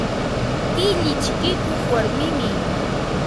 Tilli chikikuq warmimi.